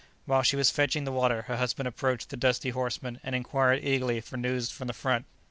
While she was fetching the water her husband approached the dusty horseman and inquired eagerly for news from the front.